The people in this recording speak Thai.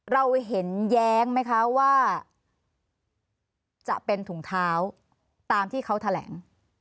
เราเห็นแย้งไหมคะว่าจะเป็นถุงเท้าตามที่เขาแถลง